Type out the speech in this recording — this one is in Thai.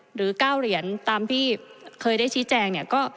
หรือ๙เหรียญตามที่เคยได้ชี้แจงเนี่ย